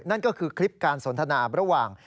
นั่นก็คือคลิปการสนทนาระหว่าง